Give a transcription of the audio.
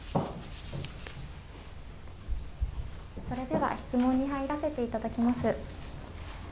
それでは質問に入らせていただきます。